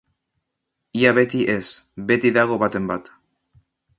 Ia beti ez, beti dago baten bat.